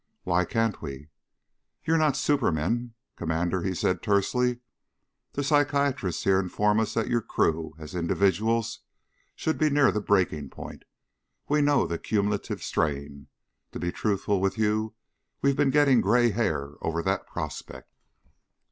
"Why can't we?" "You're not supermen, Commander," he said tersely. "The psychiatrists here inform us that your crew as individuals should be near the breaking point. We know the cumulative strain. To be truthful with you, we've been getting gray hair over that prospect."